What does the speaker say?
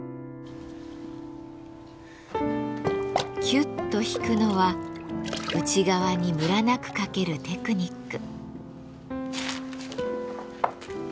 キュッと引くのは内側にむらなくかけるテクニック。